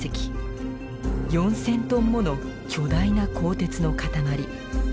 ４，０００トンもの巨大な鋼鉄の塊。